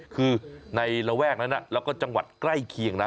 คือในระแวกนั้นแล้วก็จังหวัดใกล้เคียงนะ